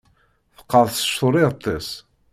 Teqqeṛs tculliḍt-is.